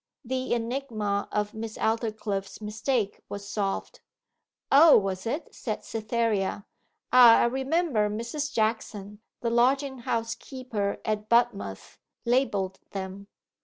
The enigma of Miss Aldclyffe's mistake was solved. 'O, was it?' said Cytherea. 'Ah, I remember Mrs. Jackson, the lodging house keeper at Budmouth, labelled them.